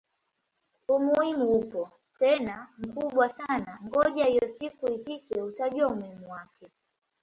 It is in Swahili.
Umuhimu upo tena mkubwa sana ngoja hiyo siku ifike utajua umuhimu wake